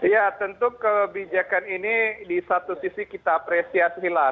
ya tentu kebijakan ini di satu sisi kita apresiasilah